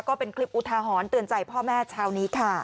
ก็เป็นคลิปอุทาหรณ์เตือนใจพ่อแม่เช้านี้ค่ะ